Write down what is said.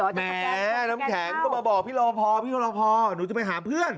แหมน้ำแข็งก็มาบอกพี่รอพอพี่รอพอหนูจะไปหาเพื่อน